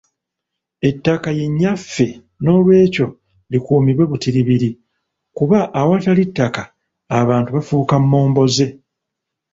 Ettaka ye Nnyaffe nolwekyo likuumibwe butiribiri, kuba awatali ttaka, abantu bafuuka momboze.